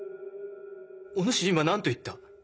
お主今何と言った？